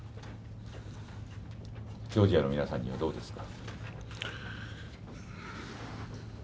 ジョージアの皆さんにはどうですか。